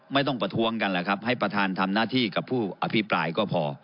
ประท้วงกันแหละครับให้ประธานทำหน้าที่กับผู้อภิปรายก็พอ